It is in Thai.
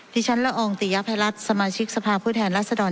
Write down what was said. ที่ฉันละอองติยภัยรัฐสมาชิกสภาพผู้แทนรัศดร